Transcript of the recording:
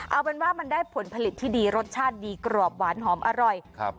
เอาเป็นว่ามันได้ผลผลิตที่ดีรสชาติดีกรอบหวานหอมอร่อยครับ